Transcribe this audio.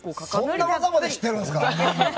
そんなことまで知ってるんですか。